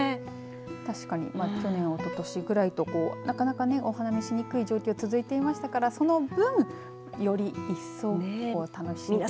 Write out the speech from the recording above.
確かに去年、おととしぐらいとなかなかお花見しにくい状況続いていましたからその分、より一層楽しめたんですね。